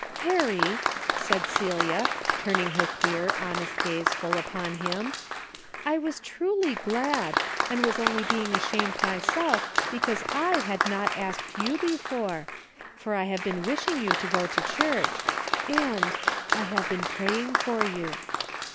" Harry," said Celia turning her clear, hon est gaze full upon him, " I was truly glad, and was only being ashamed myself because 1 had not asked you before, for I have been wishing you would go to church, and — I have been praying for you."